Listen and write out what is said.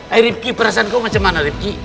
eh ripki perasaan kok macam mana ripki